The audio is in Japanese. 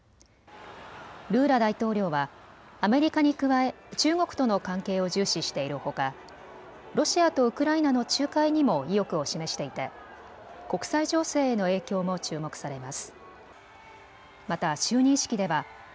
ルーラ大統領はアメリカに加え中国との関係を重視しているほか、ロシアとウクライナの仲介にも意欲を示していて国際情勢への影響も注目されます。